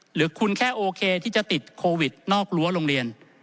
หรือคุณแค่โอเคที่จะติดโควิดนอกรั้วโรงเรียน